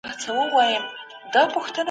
ژبه د بشريت د تباهۍ تر ټولو ستره وسله ده.